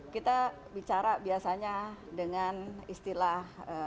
kita bicara biasanya dengan istilah